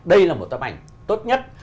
đây là một tấm ảnh tốt nhất